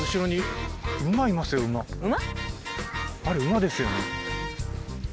あれ馬ですよね。